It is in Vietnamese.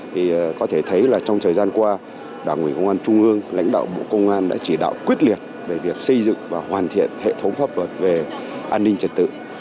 thì có thể thấy là trong thời gian qua đảng ủy công an trung ương lãnh đạo bộ công an đã chỉ đạo quyết liệt về việc xây dựng và hoàn thiện hệ thống pháp luật về an ninh trật tự